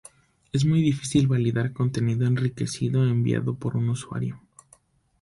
Es muy difícil validar contenido enriquecido enviado por un usuario.